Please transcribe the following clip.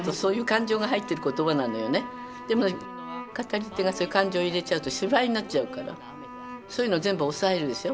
でも語り手がそういう感情を入れちゃうと芝居になっちゃうからそういうのを全部抑えるでしょ。